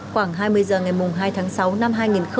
khoảng hai mươi giờ ngày hai tháng sáu năm hai nghìn hai mươi hai